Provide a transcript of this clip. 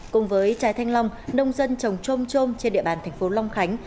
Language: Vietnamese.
cùng với trái thanh long nông dân trồng trôm trôm trên địa bàn thành phố long khánh